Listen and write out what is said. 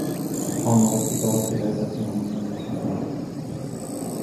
سبحان ربك رب العزة عما يصفون